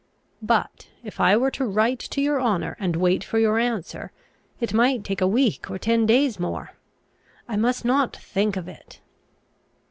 But, if I were to write to your honour, and wait for your answer, it might take a week or ten days more. I must not think of it!